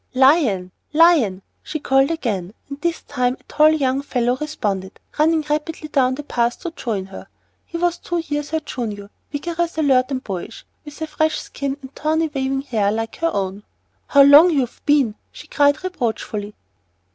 "Lion! Lion!" she called again; and this time a tall young fellow responded, running rapidly down the path to join her. He was two years her junior, vigorous, alert, and boyish, with a fresh skin, and tawny, waving hair like her own. "How long you have been!" she cried reproachfully.